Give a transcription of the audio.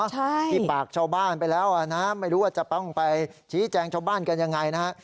ขี้ปากชาวบ้านไปแล้วนะไม่รู้ว่าจะเป้าลงไปชี้แจ้งชาวบ้านกันยังไงนะ